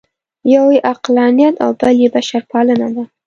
یو یې عقلانیت او بل یې بشرپالنه ده.